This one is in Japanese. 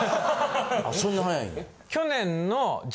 そんな早いんや。